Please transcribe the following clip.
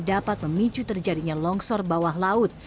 dapat memicu terjadinya longsor bawah laut